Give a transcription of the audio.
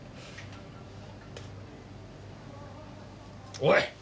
おい。